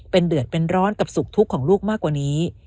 เป็นเดือดเป็นร้อนกับสุขทุกข์ของลูกมากกว่านี้